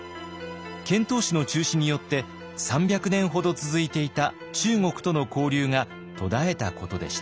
遣唐使の中止によって３００年ほど続いていた中国との交流が途絶えたことでした。